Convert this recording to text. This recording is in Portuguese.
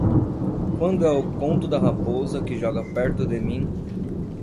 Quando é o conto da raposa que joga perto de mim